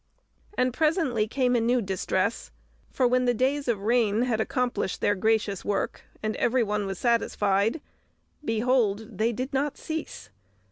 And presently came a new distress: for when the days of rain had accomplished their gracious work, and every one was satisfied, behold, they did not cease.